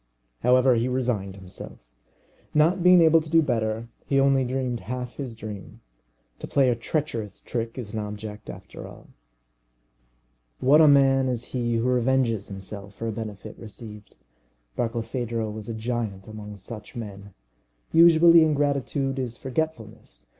However, he resigned himself. Not being able to do better, he only dreamed half his dream. To play a treacherous trick is an object after all. What a man is he who revenges himself for a benefit received! Barkilphedro was a giant among such men. Usually, ingratitude is forgetfulness.